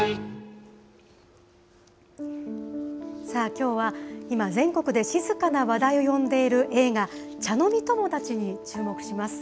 きょうは今、全国で静かな話題を呼んでいる映画、茶飲友達に注目します。